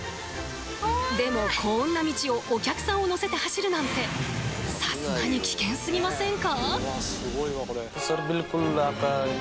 でもこんな道をお客さんを乗せて走るなんてさすがに危険すぎませんか？